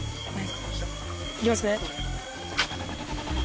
行きますね。